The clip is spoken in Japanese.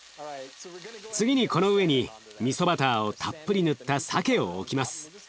次にこの上にみそバターをたっぷり塗ったさけを置きます。